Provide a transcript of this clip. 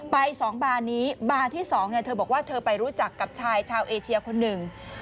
ไป๒บาร์นี้บาร์ที่๒เธอบอกว่าเธอไปรู้จักกับชายชาวเอเชียคนหนึ่ง